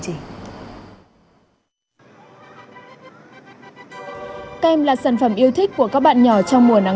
thậm chí đường lại còn là nguyên nhân